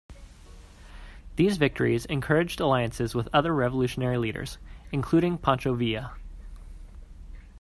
These victories encouraged alliances with other revolutionary leaders, including Pancho Villa.